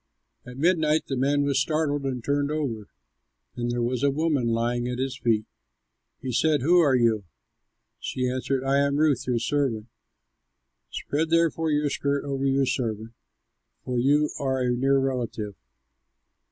At midnight the man was startled and turned over, and there was a woman lying at his feet. He said, "Who are you?" She answered, "I am Ruth your servant; spread therefore your skirt over your servant, for you are a near relative."